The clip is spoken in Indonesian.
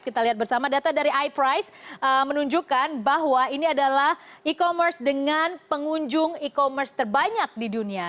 kita lihat bersama data dari iprise menunjukkan bahwa ini adalah e commerce dengan pengunjung e commerce terbanyak di dunia